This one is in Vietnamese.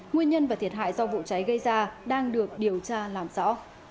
nguyên nhân và thiệt hại do vụ cháy gây ra đang được điều tra làm rõ